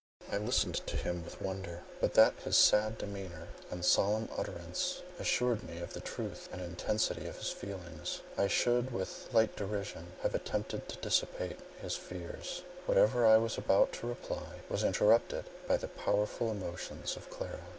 I listened to him with wonder; but that his sad demeanour and solemn utterance assured me of the truth and intensity of his feelings, I should with light derision have attempted to dissipate his fears. Whatever I was about to reply, was interrupted by the powerful emotions of Clara.